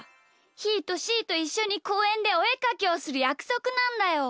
ひーとしーといっしょにこうえんでおえかきをするやくそくなんだよ。